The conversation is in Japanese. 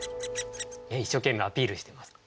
一生懸命アピールしてます。